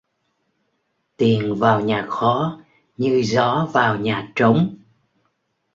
Tiền vào nhà khó như gió vào nhà trống.